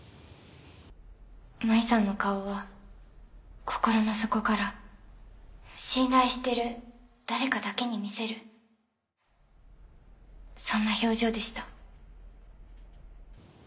「麻衣さんの顔は心の底から信頼してる誰かだけに見せるそんな表情でした」